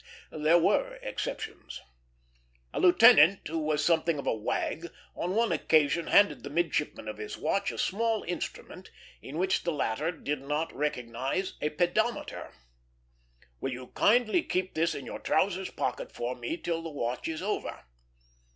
There were exceptions. A lieutenant who was something of a wag on one occasion handed the midshipman of his watch a small instrument, in which the latter did not recognize a pedometer. "Will you kindly keep this in your trousers pocket for me till the watch is over?"